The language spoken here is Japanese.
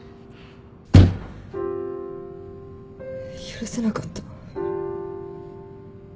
許せなかった。